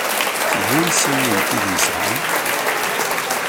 Seg wansi ay t-id-yesɣa?